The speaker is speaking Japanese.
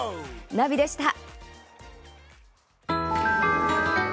ナビでした。